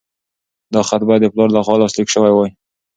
دا خط باید د پلار لخوا لاسلیک شوی وای.